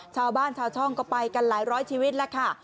ชาวบ้านชาวช่องก็ไปกันหลายร้อยชีวิตแล้วค่ะ